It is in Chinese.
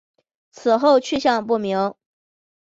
此后去向不明。